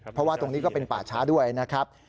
เพราะว่าตรงนี้ก็เป็นป่าช้าด้วยนะครับ